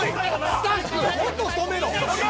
スタッフ音止めろ